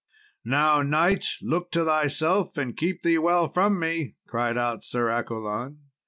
"Now, knight, look to thyself, and keep thee well from me," cried out Sir Accolon.